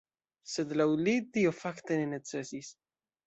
Sed laŭ li tio fakte ne necesis.